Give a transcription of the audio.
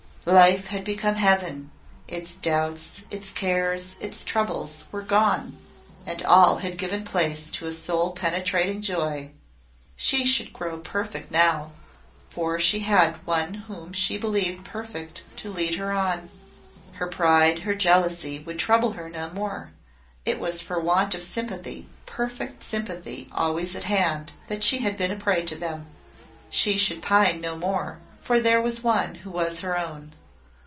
Life had become heaven: its doubts, its cares, its troubles, were gone, and all had given place to a soul penetrating joy. She should grow perfect now, for she had one whom she believed perfect to lead her on. Her pride, her jealousy, would trouble her no more: it was for want of sympathy perfect sympathy always at hand that she had been a prey to them. She should pine no more, for there was one who was her own.